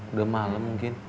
udah malem mungkin